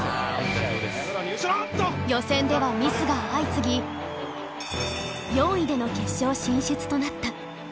予選ではミスが相次ぎ４位での決勝進出となった